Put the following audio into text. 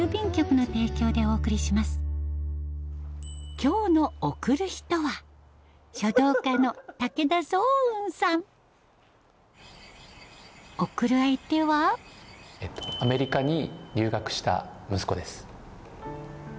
今日のアメリカに留学した息子です。